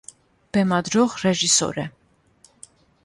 Բեմադրող ռեժիսոր է։